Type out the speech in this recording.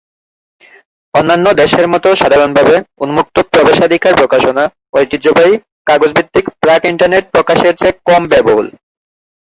অন্যান্য দেশের মতো সাধারণভাবে, উন্মুক্ত প্রবেশাধিকার প্রকাশনা ঐতিহ্যবাহী, কাগজ-ভিত্তিক, প্রাক- ইন্টারনেট প্রকাশের চেয়ে কম ব্যয়বহুল।